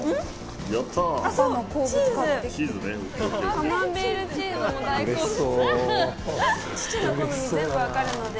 カマンベールチーズも大好物。